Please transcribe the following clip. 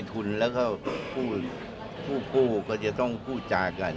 ในทุนแล้วก็ผู้ก็จะต้องผู้จากกัน